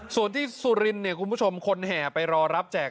ส่วนที่ซุรินคุณผู้ชมคนแห่ไปรอรับแจก